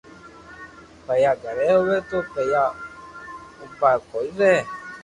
پئيا گھري آوي تو پييئا اوبا ڪوئي رھي